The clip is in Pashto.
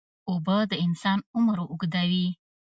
اوبه د انسان عمر اوږدوي.